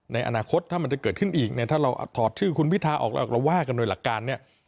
ในอนาคตถ้ามันจะเกิดขึ้นอีกเนี่ยถ้าเราถอดชื่อคุณพิทาออกแล้วเราว่ากันโดยหลักการเนี่ย